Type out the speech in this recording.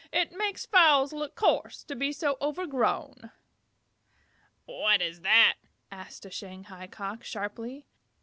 "It makes fowls look coarse to be so overgrown." "What is that?" asked the Shanghai Cock, sharply.